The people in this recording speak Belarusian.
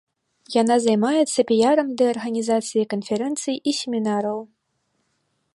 Яна займаецца піярам ды арганізацыяй канферэнцый і семінараў.